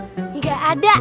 tuh gak ada